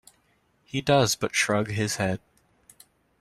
He does but shrug his head.